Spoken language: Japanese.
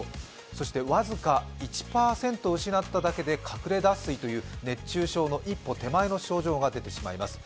そして僅か１％失っただけでかくれ脱水という熱中症の一歩手前の症状が出てしまいます。